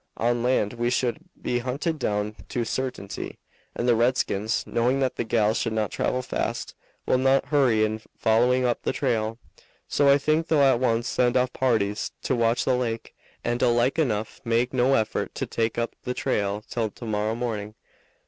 On land we should be hunted down to a certainty, and the redskins, knowing that the gals could not travel fast, will not hurry in following up the trail. So I think they'll at once send off parties to watch the lake, and 'll like enough make no effort to take up the trail till to morrow morning."